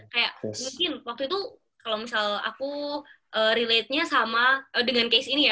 kayak mungkin waktu itu kalau misal aku relate nya sama dengan case ini ya